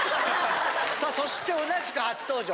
さあそして同じく初登場